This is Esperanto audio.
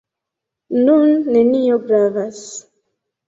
Nun nenio gravas.